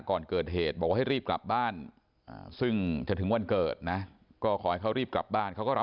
ก่อนเกิดเหตุบอกว่าให้รีบกลับบ้าน